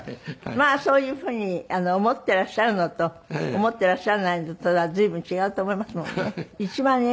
まあそういうふうに思っていらっしゃるのと思っていらっしゃらないのとでは随分違うと思いますもんね。